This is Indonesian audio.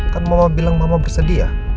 kan mama bilang mama bersedih ya